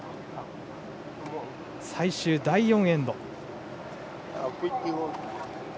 最終第４エンド。